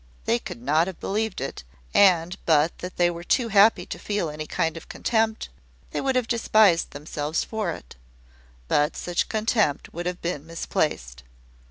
They could not have believed it, and, but that they were too happy to feel any kind of contempt, they would have despised themselves for it. But such contempt would have been misplaced.